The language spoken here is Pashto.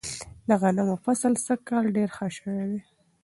د غنمو فصل سږ کال ډیر ښه شوی دی.